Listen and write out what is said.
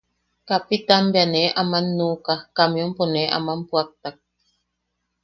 Kapitaan bea nee aman nuʼuka, kamiampo ne aman puʼaktak.